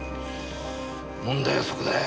問題はそこだよ。